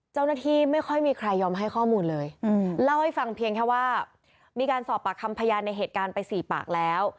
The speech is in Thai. เจ้าหน้าที่ไม่ค่อยมีใครยอมให้ข้อมูลเลยเล่าให้ฟังเพียงแค่ว่ามีการสอบปากคำพยานในเหตุการณ์ไป๔ปากแล้ว